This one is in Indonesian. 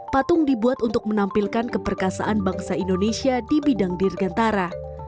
patung dibuat untuk menampilkan keperkasaan bangsa indonesia di bidang dirgantara